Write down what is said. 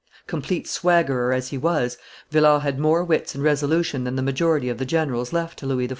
Complete swaggerer as he was, Villars had more wits and resolution than the majority of the generals left to Louis XIV.